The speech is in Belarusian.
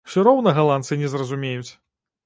Усё роўна галандцы не зразумеюць!